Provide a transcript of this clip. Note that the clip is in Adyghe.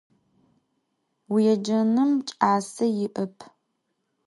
Vuêcenım ç'ase yi'ep.